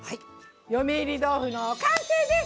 「嫁いり豆腐」の完成です！